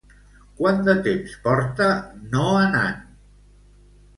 Quant de temps porta no anant?